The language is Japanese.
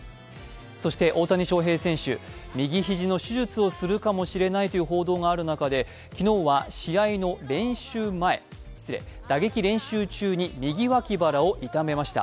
そして大谷翔平選手、右肘の手術をするかもしれないという報道がある中で昨日は打撃練習中に右脇腹を痛めました。